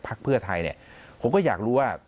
เพื่อไทยเนี่ยผมก็อยากรู้ว่า